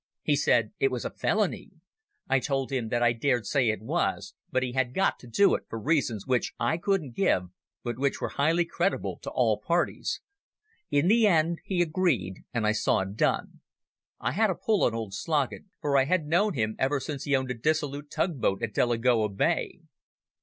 He said it was a felony. I told him that I dared say it was, but he had got to do it, for reasons which I couldn't give, but which were highly creditable to all parties. In the end he agreed, and I saw it done. I had a pull on old Sloggett, for I had known him ever since he owned a dissolute tug boat at Delagoa Bay.